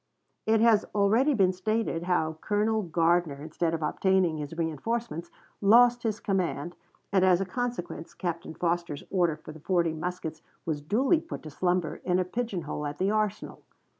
It has already been stated how Colonel Gardiner, instead of obtaining his reënforcements, lost his command, and as a consequence Captain Foster's order for the forty muskets was duly put to slumber in a pigeon hole at the arsenal.